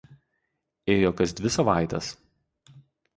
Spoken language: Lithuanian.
Ėjo kas dvi savaites.